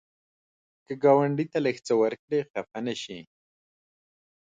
که ګاونډي ته لږ څه ورکړې، خفه نشي